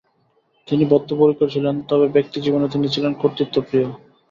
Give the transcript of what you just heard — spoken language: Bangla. তিনি বদ্ধপরিকর ছিলেন তবে ব্যক্তিজীবনে তিনি ছিলেন কর্তৃত্বপ্রিয়।